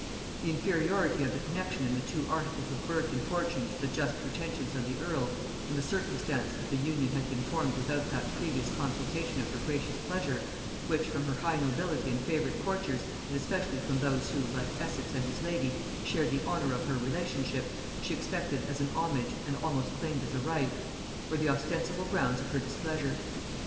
The inferiority of the connexion in the two articles of birth and fortune to the just pretensions of the earl, and the circumstance that the union had been formed without that previous consultation of her gracious pleasure, which from her high nobility and favorite courtiers, and especially from those who, like Essex and his lady, shared the honor of her relationship, she expected as a homage and almost claimed as a right, were the ostensible grounds of her displeasure.